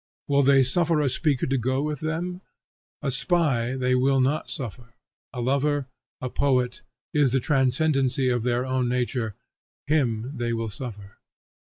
Will they suffer a speaker to go with them? A spy they will not suffer; a lover, a poet, is the transcendency of their own nature, him they will suffer.